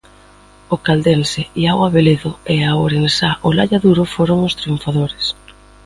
O caldense Iago Abeledo e a ourensá Olalla Duro foron os triunfadores.